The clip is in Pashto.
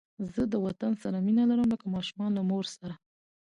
زه د وطن سره مینه لرم لکه ماشوم له مور سره